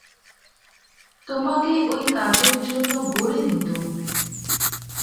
তোমাকে ঐ কাজের জন্য গড়ে নিতুম।